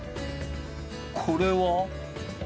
これは？